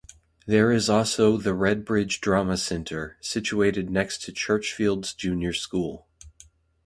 There is also the Redbridge Drama Centre, situated next to Churchfields junior school.